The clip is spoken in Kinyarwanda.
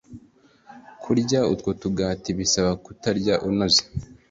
kurya utwo tugati bisaba kuturya unoza